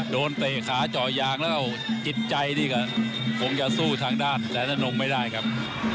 เตะขาเจาะยางแล้วจิตใจนี่ก็คงจะสู้ทางด้านแสนนงไม่ได้ครับ